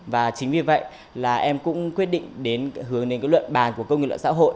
và chính vì vậy là em cũng quyết định đến hướng đến cái luận bàn của công nghiệp loại xã hội